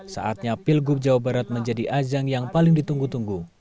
saatnya pilgub jawa barat menjadi ajang yang paling ditunggu tunggu